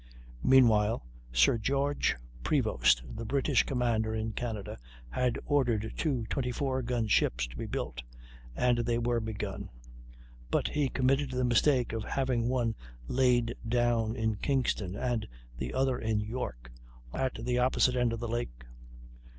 Meanwhile Sir George Prevost, the British commander in Canada, had ordered two 24 gun ships to be built, and they were begun; but he committed the mistake of having one laid down in Kingston and the other in York, at the opposite end of the lake.